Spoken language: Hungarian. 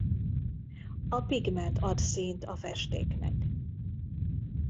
A pigment ad színt a festéknek.